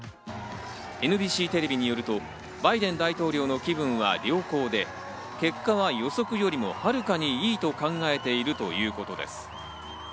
ＮＢＣテレビによるとバイデン大統領の気分は良好で、結果は予測よりもはるかに良いと考えているということです。